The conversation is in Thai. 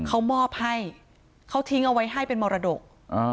เขามอบให้เขาทิ้งเอาไว้ให้เป็นมรดก